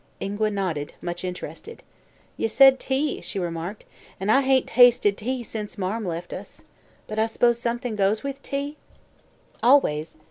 Ingua nodded, much interested. "Ye said 'tea,'" she remarked, "an' I hain't tasted tea sence Marm left us. But I s'pose somethin' goes with tea?" "Always.